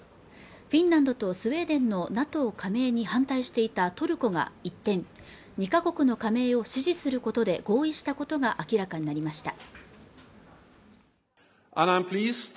フィンランドとスウェーデンのＮＡＴＯ加盟に反対していたトルコが一転２か国の加盟を支持することで合意したことが明らかになりました